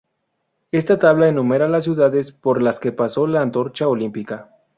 Esta tabla enumera las ciudades por las que pasó la antorcha olímpica.